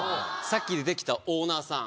さっき出て来たオーナーさん。